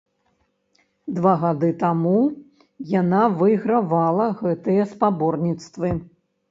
Два гады таму яна выйгравала гэтыя спаборніцтвы.